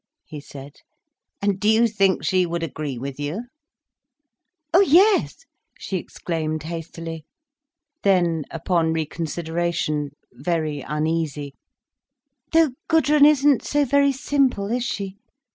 he said. "And do you think she would agree with you?" "Oh yes!" she exclaimed hastily. Then, upon reconsideration, very uneasy: "Though Gudrun isn't so very simple, is she?